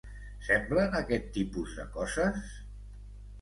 Semblen aquest tipus de coses?